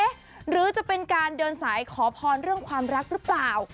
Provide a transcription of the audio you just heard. หรือจะเป็นการเดินสายขอพรเรื่องความรักหรือเปล่า